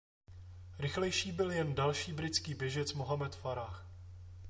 Rychlejší byl jen další britský běžec Mohammed Farah.